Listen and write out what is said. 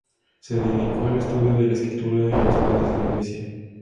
Se dedicó al estudio de la Escritura y los Padres de la Iglesia.